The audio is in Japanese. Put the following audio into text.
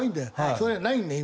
それがないんだ今。